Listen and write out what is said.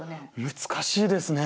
難しいですね。